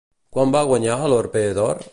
Quan va guanyar l'Orphée d'Or?